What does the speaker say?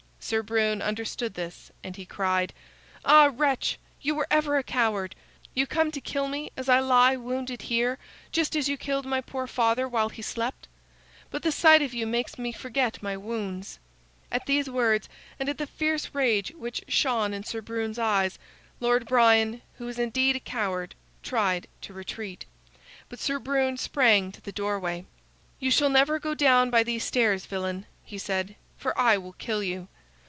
Sir Brune understood this and he cried: "Ah, wretch, you were ever a coward. You come to kill me as I lie wounded here, just as you killed my poor father while he slept. But the sight of you makes me forget my wounds." At these words, and at the fierce rage which shone in Sir Brune's eyes, Lord Brian, who was indeed a coward, tried to retreat. But Sir Brune sprang to the doorway. "You shall never go down by these stairs, villain," he said, "for I will kill you!"